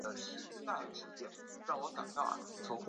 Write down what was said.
他的名字引用自回溯法。